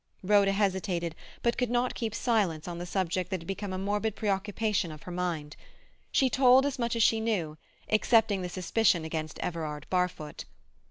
Rhoda hesitated, but could not keep silence on the subject that had become a morbid preoccupation of her mind. She told as much as she knew—excepting the suspicion against Everard Barfoot.